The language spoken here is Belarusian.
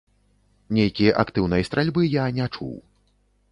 Нейкі актыўнай стральбы я не чуў.